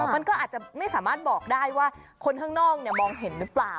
มันก็อาจจะไม่สามารถบอกได้ว่าคนข้างนอกมองเห็นหรือเปล่า